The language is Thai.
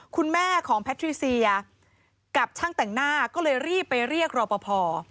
คุณแม่ของแพทริเซียกับช่างแต่งหน้าก็เลยรีบไปเรียกรอปภ